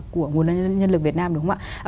của nguồn nhân lực việt nam đúng không ạ